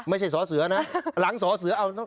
ไม่ใช่ศเสือนะหลังศเสือเอา